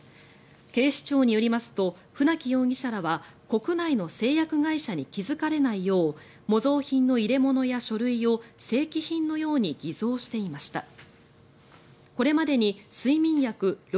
警視庁によりますと舩木容疑者らは国内の製薬会社に気付かれないよう模造品の入れ物や書類を正規品のように偽造していました。